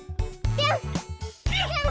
ぴょん！